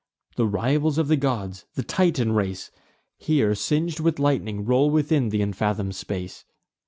The rivals of the gods, the Titan race, Here, sing'd with lightning, roll within th' unfathom'd space.